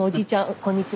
こんにちは。